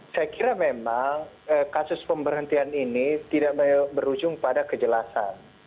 saya kira memang kasus pemberhentian ini tidak berujung pada kejelasan